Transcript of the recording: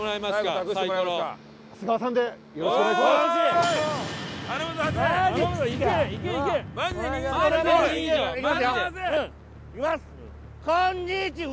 こんにちは！！